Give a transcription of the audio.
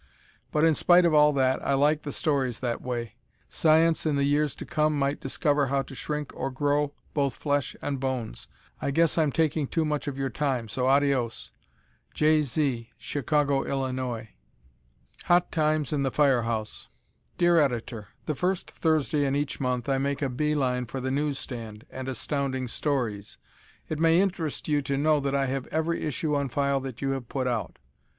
But in spite of all that, I like the stories that way. Science, in the years to come might discover how to shrink or grow both flesh and bones. I guess I'm taking too much of your time, so adios! Jay Zee, Chicago, Illinois. Hot Times in the Fire House Dear Editor: The first Thursday in each month I make a bee line for the newsstand and Astounding Stories. It may interest you to know that I have every issue on file that you have put out.